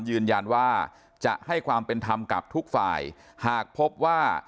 ยืนยันว่าจะให้ความเป็นธรรมกับทุกฝ่ายหากพบว่า